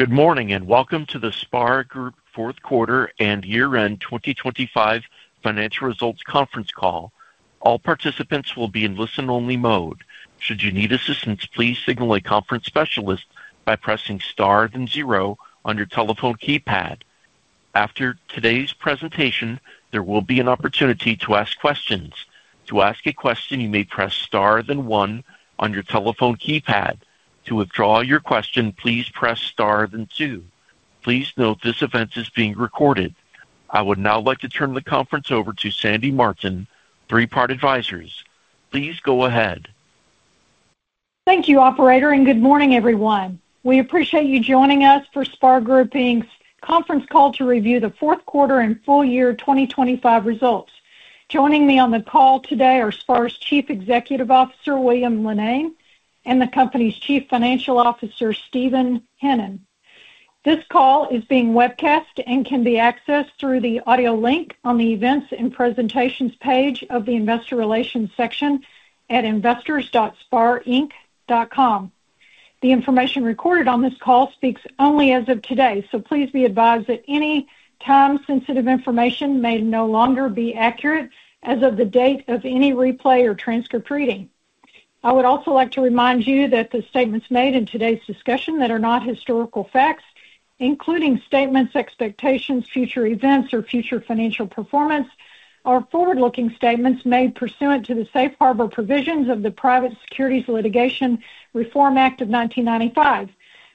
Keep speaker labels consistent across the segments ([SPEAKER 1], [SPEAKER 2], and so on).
[SPEAKER 1] Good morning, and welcome to the SPAR Group fourth quarter and year-end 2025 financial results conference call. All participants will be in listen-only mode. Should you need assistance, please signal a conference specialist by pressing star then zero on your telephone keypad. After today's presentation, there will be an opportunity to ask questions. To ask a question, you may press star then one on your telephone keypad. To withdraw your question, please press star then two. Please note this event is being recorded. I would now like to turn the conference over to Sandy Martin, Three Part Advisors. Please go ahead.
[SPEAKER 2] Thank you, operator, and good morning, everyone. We appreciate you joining us for SPAR Group, Inc.'s conference call to review the fourth quarter and full-year 2025 results. Joining me on the call today are SPAR's Chief Executive Officer, William Linnane, and the company's Chief Financial Officer, Steven Hennen. This call is being webcast and can be accessed through the audio link on the Events and Presentations page of the Investor Relations section at investors.sparinc.com. The information recorded on this call speaks only as of today, so please be advised that any time-sensitive information may no longer be accurate as of the date of any replay or transcript reading. I would also like to remind you that the statements made in today's discussion that are not historical facts, including statements, expectations, future events, or future financial performance, are forward-looking statements made pursuant to the Safe Harbor provisions of the Private Securities Litigation Reform Act of 1995.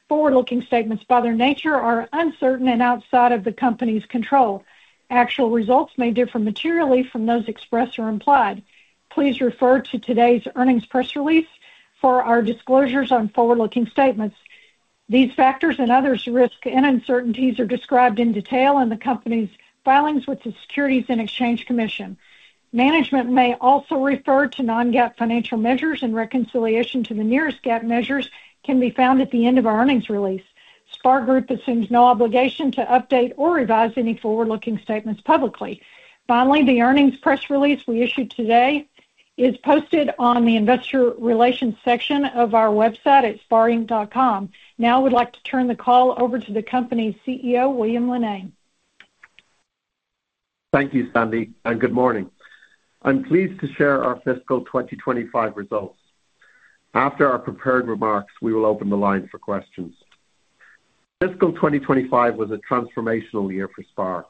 [SPEAKER 2] Forward-looking statements by their nature are uncertain and outside of the company's control. Actual results may differ materially from those expressed or implied. Please refer to today's earnings press release for our disclosures on forward-looking statements. These factors and other risks and uncertainties are described in detail in the company's filings with the Securities and Exchange Commission. Management may also refer to non-GAAP financial measures and reconciliations to the most comparable GAAP measures can be found at the end of our earnings release. SPAR Group assumes no obligation to update or revise any forward-looking statements publicly. Finally, the earnings press release we issued today is posted on the investor relations section of our website at sparinc.com. Now I would like to turn the call over to the company's CEO, William Linnane.
[SPEAKER 3] Thank you, Sandy, and good morning. I'm pleased to share our FY25 results. After our prepared remarks, we will open the line for questions. FY25 was a transformational year for SPAR.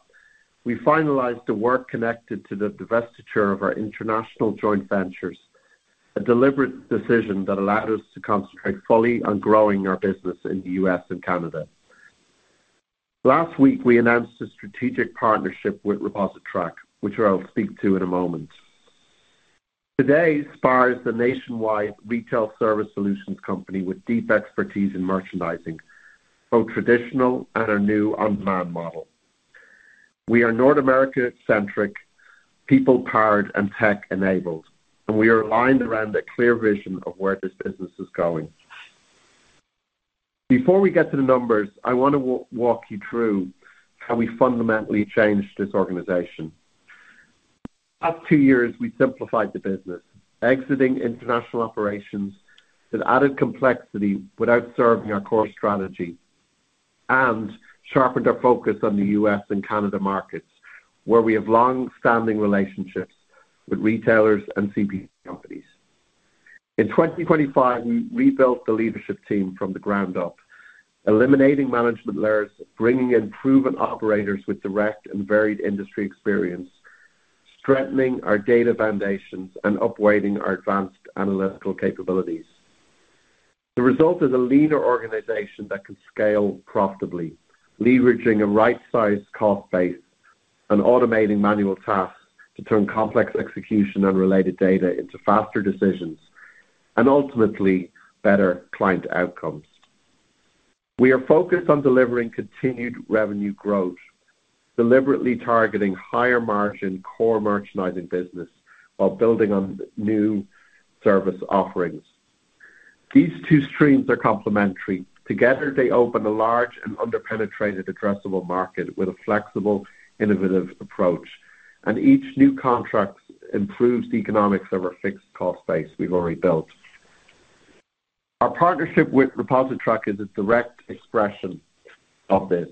[SPEAKER 3] We finalized the work connected to the divestiture of our international joint ventures, a deliberate decision that allowed us to concentrate fully on growing our business in the U.S. and Canada. Last week, we announced a strategic partnership with ReposiTrak, which I'll speak to in a moment. Today, SPAR is the nationwide retail service solutions company with deep expertise in merchandising, both traditional and our new on-demand model. We are North America-centric, people-powered, and tech-enabled, and we are aligned around a clear vision of where this business is going. Before we get to the numbers, I want to walk you through how we fundamentally changed this organization. Last two years, we simplified the business, exiting international operations that added complexity without serving our core strategy and sharpened our focus on the U.S. and Canada markets, where we have long-standing relationships with retailers and CPG companies. In 2025, we rebuilt the leadership team from the ground up, eliminating management layers, bringing in proven operators with direct and varied industry experience, strengthening our data foundations, and upweighting our advanced analytical capabilities. The result is a leaner organization that can scale profitably, leveraging a right-sized cost base and automating manual tasks to turn complex execution and related data into faster decisions and ultimately better client outcomes. We are focused on delivering continued revenue growth, deliberately targeting higher margin core merchandising business while building on new service offerings. These two streams are complementary. Together, they open a large and under-penetrated addressable market with a flexible, innovative approach, and each new contract improves the economics of our fixed cost base we've already built. Our partnership with ReposiTrak is a direct expression of this.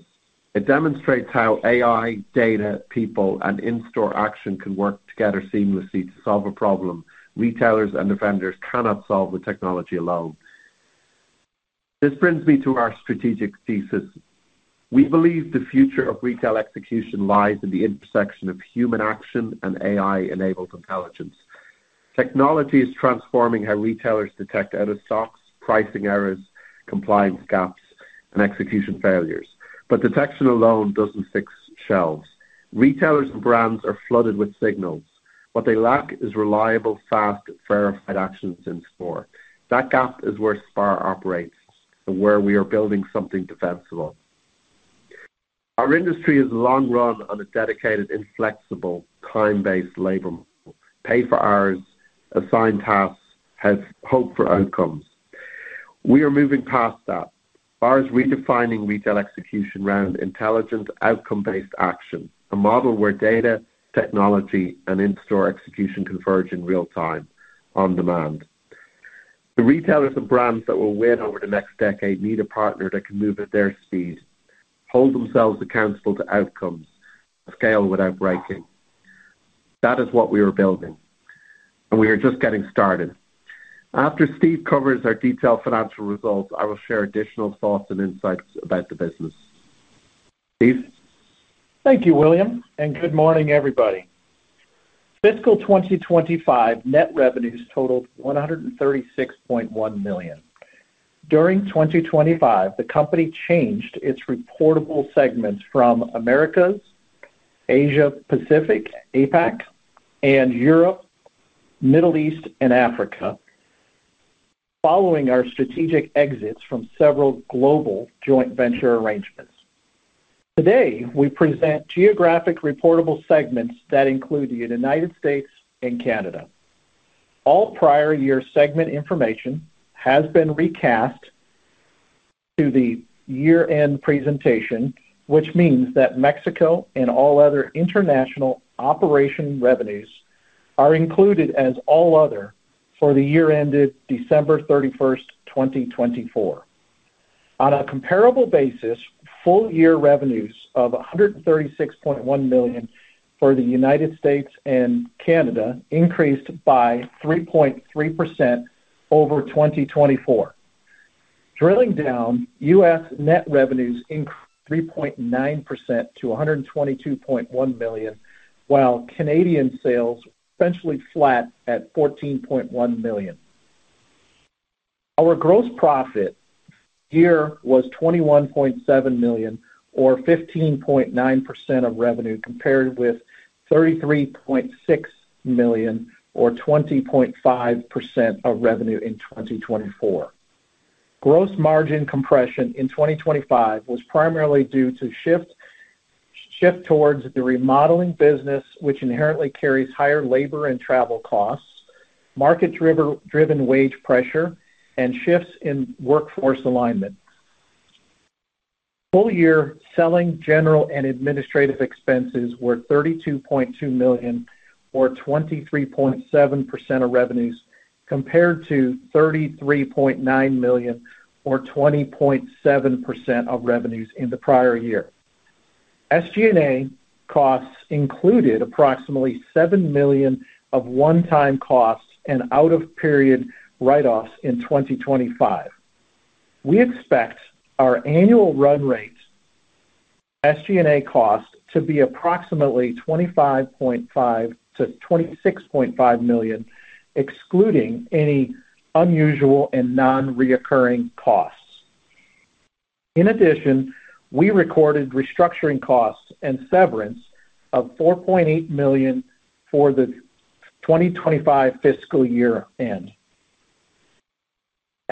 [SPEAKER 3] It demonstrates how AI, data, people, and in-store action can work together seamlessly to solve a problem retailers and vendors cannot solve with technology alone. This brings me to our strategic thesis. We believe the future of retail execution lies at the intersection of human action and AI-enabled intelligence. Technology is transforming how retailers detect out-of-stocks, pricing errors, compliance gaps, and execution failures, but detection alone doesn't fix shelves. Retailers and brands are flooded with signals. What they lack is reliable, fast, verified action since before. That gap is where SPAR operates and where we are building something defensible. Our industry has long run on a dedicated, inflexible, time-based labor model. Pay for hours, assign tasks, have hope for outcomes. We are moving past that. SPAR is redefining retail execution around intelligent, outcome-based action, a model where data, technology, and in-store execution converge in real time on demand. The retailers and brands that will win over the next decade need a partner that can move at their speed, hold themselves accountable to outcomes, scale without breaking. That is what we are building, and we are just getting started. After Steve covers our detailed financial results, I will share additional thoughts and insights about the business. Steve?
[SPEAKER 4] Thank you, William, and good morning, everybody. FY25 net revenues totaled $136.1 million. During 2025, the company changed its reportable segments from Americas, Asia Pacific, APAC, and Europe, Middle East, and Africa, following our strategic exits from several global joint venture arrangements. Today, we present geographic reportable segments that include the United States and Canada. All prior year segment information has been recast to the year-end presentation, which means that Mexico and all other international operation revenues are included as all other for the year ended December 31st, 2024. On a comparable basis, full-year revenues of $136.1 million for the United States and Canada increased by 3.3% over 2024. Drilling down, U.S. net revenues increased 3.9% to $122.1 million, while Canadian sales were essentially flat at $14.1 million. Our gross profit here was $21.7 million or 15.9% of revenue, compared with $33.6 million or 20.5% of revenue in 2024. Gross margin compression in 2025 was primarily due to shift towards the remodeling business, which inherently carries higher labor and travel costs, market-driven wage pressure, and shifts in workforce alignment. Full-year selling general and administrative expenses were $32.2 million or 23.7% of revenues, compared to $33.9 million or 20.7% of revenues in the prior year. SG&A costs included approximately $7 million of one-time costs and out-of-period write-offs in 2025. We expect our annual run rate SG&A cost to be approximately $25.5 million-$26.5 million, excluding any unusual and non-recurring costs. In addition, we recorded restructuring costs and severance of $4.8 million for the 2025 fiscal year end.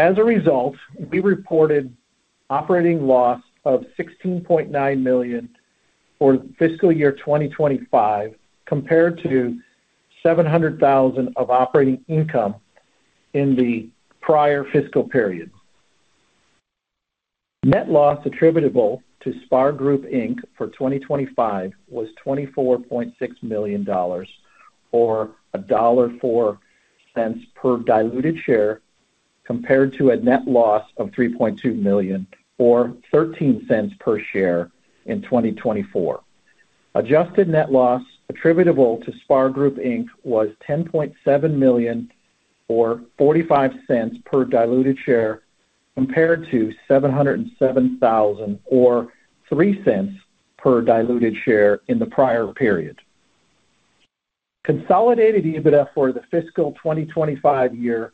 [SPEAKER 4] As a result, we reported operating loss of $16.9 million for FY25, compared to $700,000 of operating income in the prior fiscal period. Net loss attributable to SPAR Group, Inc. for 2025 was $24.6 million or $1.04 per diluted share, compared to a net loss of $3.2 million or $0.13 per share in 2024. Adjusted net loss attributable to SPAR Group, Inc. Was $10.7 million or $0.45 per diluted share, compared to $707,000 or $0.03 per diluted share in the prior period. Consolidated EBITDA for the FY25 year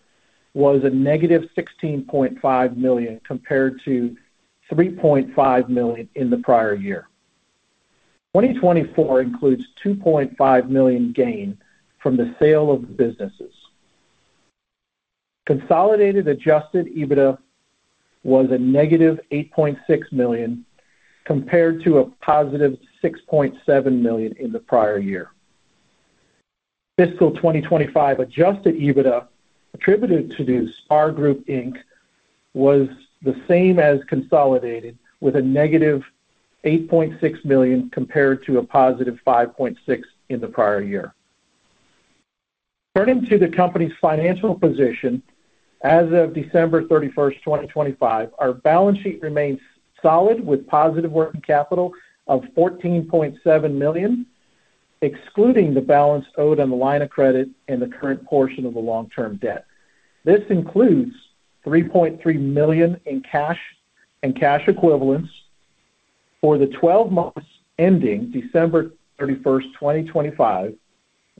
[SPEAKER 4] was a negative $16.5 million compared to $3.5 million in the prior year. 2024 includes $2.5 million gain from the sale of businesses. Consolidated Adjusted EBITDA was a negative $8.6 million, compared to a positive $6.7 million in the prior year. FY25 Adjusted EBITDA attributable to SPAR Group, Inc. was the same as consolidated, with a negative $8.6 million compared to a positive $5.6 million in the prior year. Turning to the company's financial position as of December 31st, 2025, our balance sheet remains solid with positive working capital of $14.7 million, excluding the balance owed on the line of credit and the current portion of the long-term debt. This includes $3.3 million in cash and cash equivalents. For the 12 months ending December 31, 2025,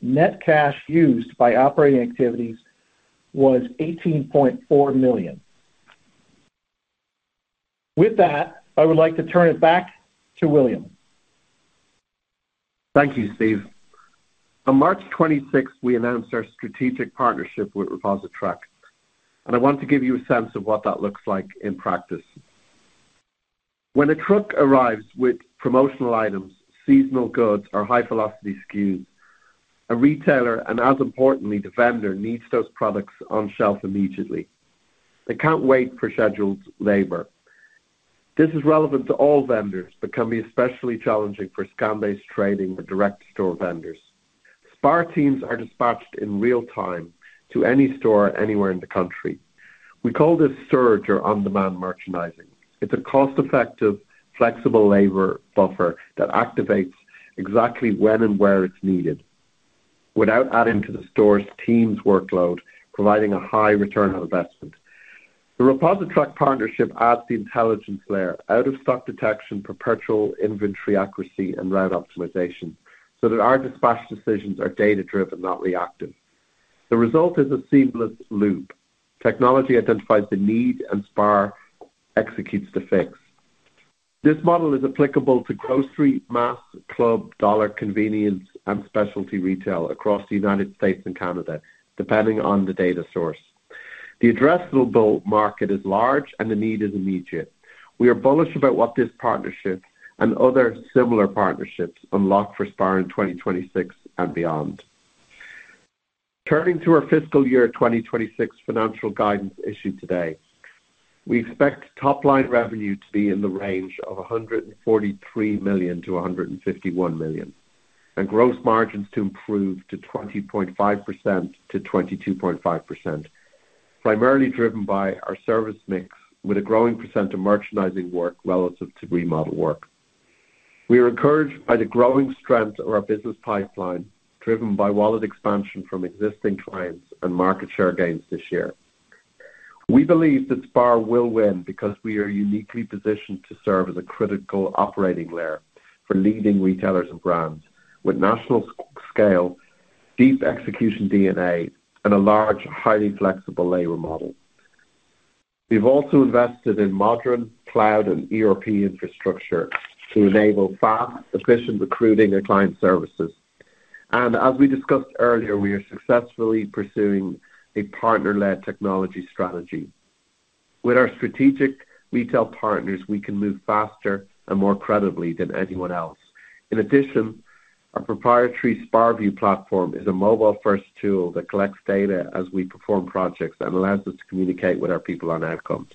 [SPEAKER 4] net cash used by operating activities was $18.4 million. With that, I would like to turn it back to William.
[SPEAKER 3] Thank you, Steve. On March 26th, we announced our strategic partnership with ReposiTrak, and I want to give you a sense of what that looks like in practice. When a truck arrives with promotional items, seasonal goods, or high-velocity SKUs, a retailer, and as importantly, the vendor, needs those products on shelf immediately. They can't wait for scheduled labor. This is relevant to all vendors, but can be especially challenging for scan-based trading with direct store vendors. SPAR teams are dispatched in real time to any store anywhere in the country. We call this surge or on-demand merchandising. It's a cost-effective, flexible labor buffer that activates exactly when and where it's needed without adding to the store's team's workload, providing a high return on investment. The ReposiTrak partnership adds the intelligence layer, out-of-stock detection, perpetual inventory accuracy, and route optimization so that our dispatch decisions are data-driven, not reactive. The result is a seamless loop. Technology identifies the need, and SPAR executes the fix. This model is applicable to grocery, mass, club, dollar, convenience, and specialty retail across the United States and Canada, depending on the data source. The addressable market is large, and the need is immediate. We are bullish about what this partnership and other similar partnerships unlock for SPAR in 2026 and beyond. Turning to our FY26 financial guidance issued today, we expect top line revenue to be in the range of $143 million-$151 million, and gross margins to improve to 20.5%-22.5%, primarily driven by our service mix with a growing percent of merchandising work relative to remodel work. We are encouraged by the growing strength of our business pipeline, driven by wallet expansion from existing clients and market share gains this year. We believe that SPAR will win because we are uniquely positioned to serve as a critical operating layer for leading retailers and brands with national scale, deep execution D&A, and a large, highly flexible labor model. We've also invested in modern cloud and ERP infrastructure to enable fast, efficient recruiting and client services. As we discussed earlier, we are successfully pursuing a partner-led technology strategy. With our strategic retail partners, we can move faster and more credibly than anyone else. In addition, our proprietary SPARview platform is a mobile-first tool that collects data as we perform projects and allows us to communicate with our people on outcomes.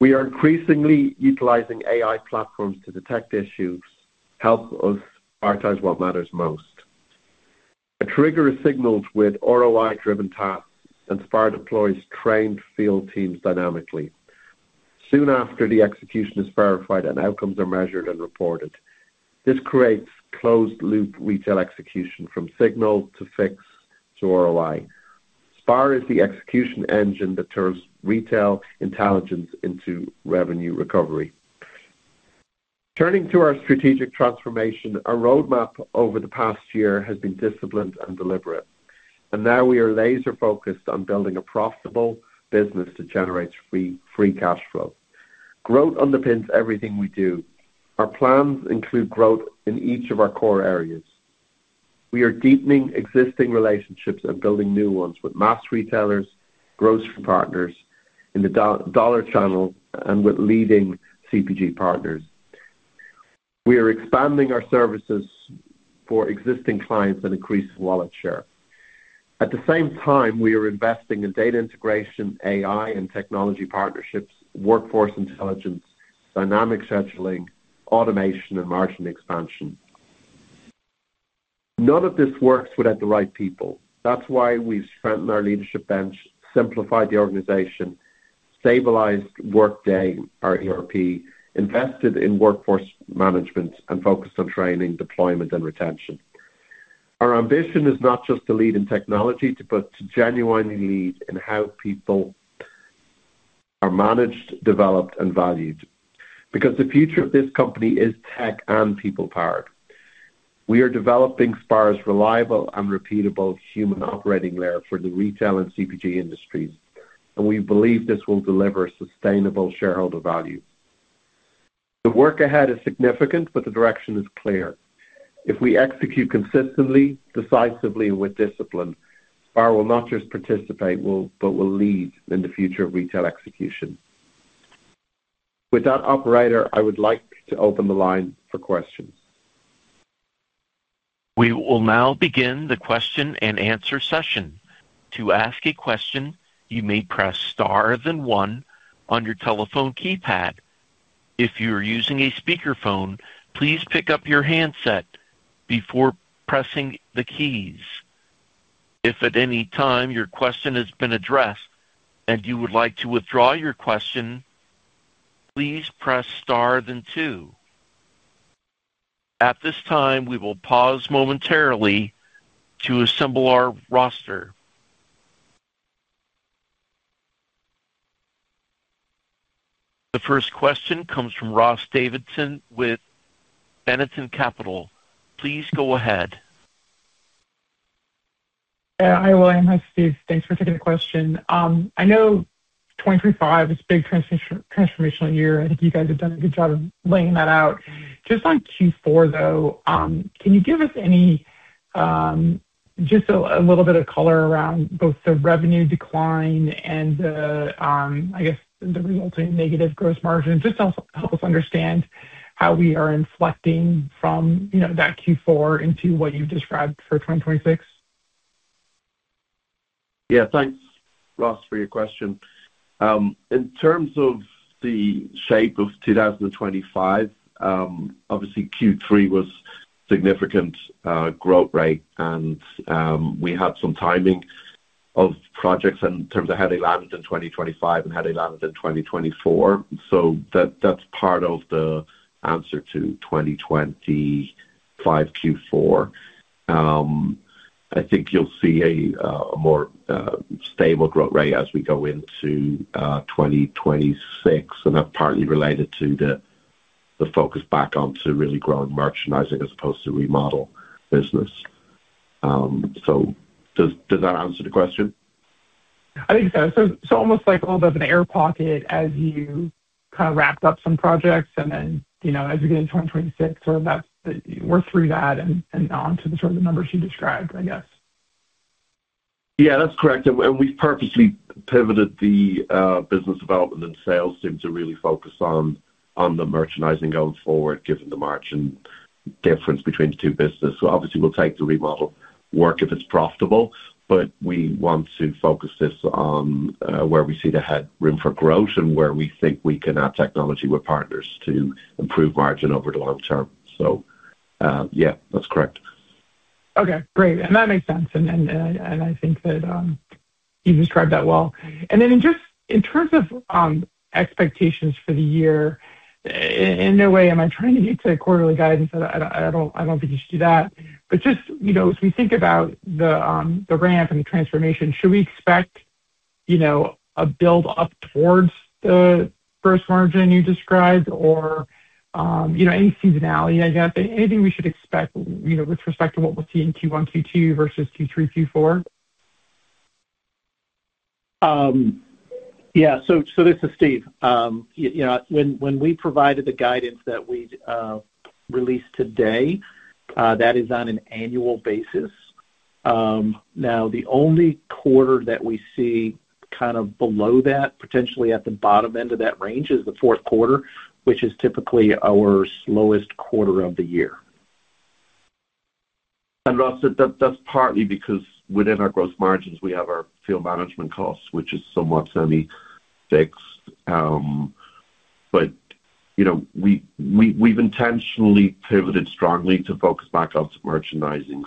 [SPEAKER 3] We are increasingly utilizing AI platforms to detect issues, help us prioritize what matters most. A trigger is signaled with ROI-driven tasks, and SPAR deploys trained field teams dynamically. Soon after, the execution is verified, and outcomes are measured and reported. This creates closed-loop retail execution from signal to fix to ROI. SPAR is the execution engine that turns retail intelligence into revenue recovery. Turning to our strategic transformation, our roadmap over the past year has been disciplined and deliberate, and now we are laser-focused on building a profitable business that generates free cash flow. Growth underpins everything we do. Our plans include growth in each of our core areas. We are deepening existing relationships and building new ones with mass retailers, grocery partners in the dollar channel, and with leading CPG partners. We are expanding our services for existing clients and increase wallet share. At the same time, we are investing in data integration, AI and technology partnerships, workforce intelligence, dynamic scheduling, automation, and margin expansion. None of this works without the right people. That's why we've strengthened our leadership bench, simplified the organization, stabilized Workday, our ERP, invested in workforce management, and focused on training, deployment, and retention. Our ambition is not just to lead in technology, but to genuinely lead in how people are managed, developed, and valued. Because the future of this company is tech and people-powered. We are developing SPAR's reliable and repeatable human operating layer for the retail and CPG industries, and we believe this will deliver sustainable shareholder value. The work ahead is significant, but the direction is clear. If we execute consistently, decisively, and with discipline, SPAR will not just participate, but will lead in the future of retail execution. With that, operator, I would like to open the line for questions.
[SPEAKER 1] We will now begin the question-and-answer session. To ask a question, you may press star then one on your telephone keypad. If you are using a speakerphone, please pick up your handset before pressing the keys. If at any time your question has been addressed and you would like to withdraw your question, please press star then two. At this time, we will pause momentarily to assemble our roster. The first question comes from Ross Davidson with Benenson Capital. Please go ahead.
[SPEAKER 5] Yeah. Hi, William. Hi, Steven. Thanks for taking the question. I know 2025 is a big transitional, transformational year. I think you guys have done a good job of laying that out. Just on Q4, though, can you give us any, just a little bit of color around both the revenue decline and the, I guess, the resulting negative gross margin, just to help us understand how we are inflecting from, you know, that Q4 into what you've described for 2026?
[SPEAKER 3] Yeah. Thanks, Ross, for your question. In terms of the shape of 2025, obviously Q3 was significant growth rate. We had some timing of projects in terms of how they landed in 2025 and how they landed in 2024. That's part of the answer to 2025 Q4. I think you'll see a more stable growth rate as we go into 2026, and that's partly related to the focus back onto really growing merchandising as opposed to remodel business. Does that answer the question?
[SPEAKER 5] I think so. Almost like a little bit of an air pocket as you kind of wrapped up some projects and then, you know, as you get into 2026, sort of that we're through that and on to the sort of numbers you described, I guess.
[SPEAKER 3] Yeah, that's correct. We've purposely pivoted the business development and sales team to really focus on the merchandising going forward, given the margin difference between the two business. Obviously we'll take the remodel work if it's profitable, but we want to focus this on where we see the headroom for growth and where we think we can add technology with partners to improve margin over the long term. Yeah, that's correct.
[SPEAKER 5] Okay, great. That makes sense. I think that you described that well. Just in terms of expectations for the year, in no way am I trying to get to quarterly guidance. I don't think you should do that. Just, you know, as we think about the ramp and the transformation, should we expect, you know, a build up towards the first margin you described or, you know, any seasonality, I guess? Anything we should expect, you know, with respect to what we'll see in Q1, Q2 versus Q3, Q4?
[SPEAKER 4] This is Steve. You know, when we provided the guidance that we released today, that is on an annual basis. Now the only quarter that we see kind of below that, potentially at the bottom end of that range is the fourth quarter, which is typically our slowest quarter of the year.
[SPEAKER 3] Ross, that's partly because within our gross margins we have our field management costs, which is somewhat semi-fixed. But you know, we've intentionally pivoted strongly to focus back on to merchandising.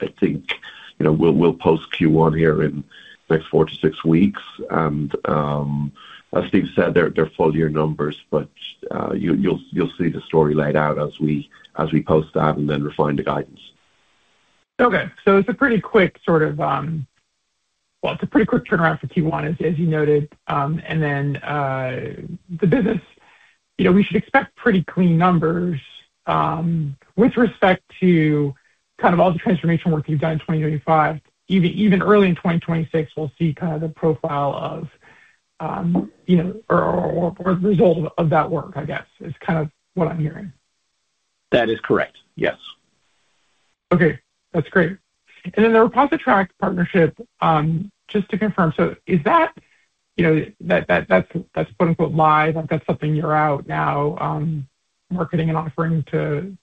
[SPEAKER 3] I think, you know, we'll post Q1 here in the next four to six weeks. As Steve said, they're full year numbers, but you'll see the story laid out as we post that and then refine the guidance.
[SPEAKER 5] Okay. It's a pretty quick turnaround for Q1 as you noted. The business, you know, we should expect pretty clean numbers with respect to kind of all the transformation work you've done in 2025. Even early in 2026, we'll see kind of the profile of, you know, or result of that work, I guess, is kind of what I'm hearing.
[SPEAKER 4] That is correct. Yes.
[SPEAKER 5] Okay, that's great. The ReposiTrak partnership, just to confirm. Is that quote-unquote live? That's something you're out now marketing and offering to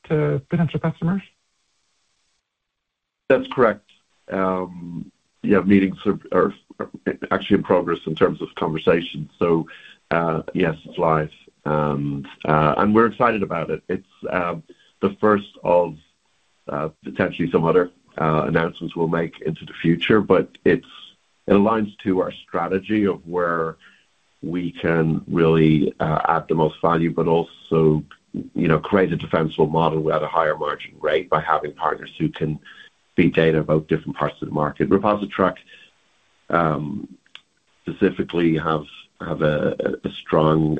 [SPEAKER 5] potential customers?
[SPEAKER 3] That's correct. Yeah, meetings are actually in progress in terms of conversations. Yes, it's live. We're excited about it. It's the first of potentially some other announcements we'll make in the future. It aligns to our strategy of where we can really add the most value, but also, you know, create a defensible model. We have a higher margin rate by having partners who can feed data about different parts of the market. ReposiTrak specifically has a strong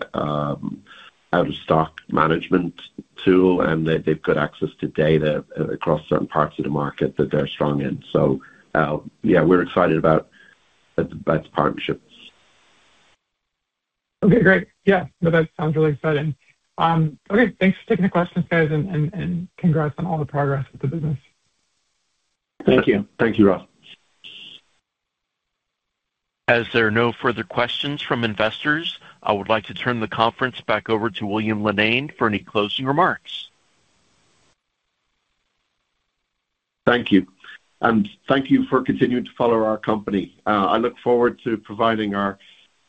[SPEAKER 3] out-of-stock management tool, and they've got access to data across certain parts of the market that they're strong in. Yeah, we're excited about that partnership.
[SPEAKER 5] Okay, great. Yeah. No, that sounds really exciting. Okay, thanks for taking the questions, guys. Congrats on all the progress with the business.
[SPEAKER 4] Thank you.
[SPEAKER 3] Thank you, Ross.
[SPEAKER 1] As there are no further questions from investors, I would like to turn the conference back over to William Linnane for any closing remarks.
[SPEAKER 3] Thank you. Thank you for continuing to follow our company. I look forward to providing our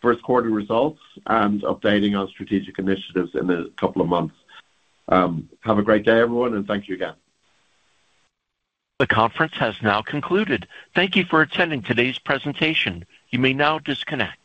[SPEAKER 3] first quarter results and updating on strategic initiatives in a couple of months. Have a great day, everyone, and thank you again.
[SPEAKER 1] The conference has now concluded. Thank you for attending today's presentation. You may now disconnect.